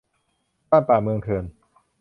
บ้านป่า เมืองเถื่อน